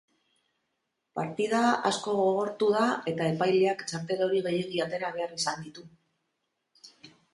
Partida asko gogortu da eta epaileak txartel hori gehiegi atera behar izan ditu.